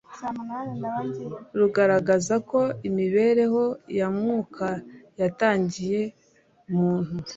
rugaragaza ko imibereho ya Mwuka yatangiye muntu